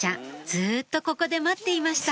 ずっとここで待っていました